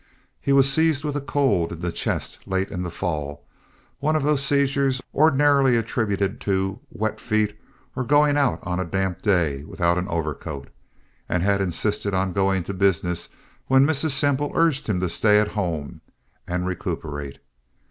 He was seized with a cold in the chest late in the fall—one of those seizures ordinarily attributed to wet feet or to going out on a damp day without an overcoat—and had insisted on going to business when Mrs. Semple urged him to stay at home and recuperate.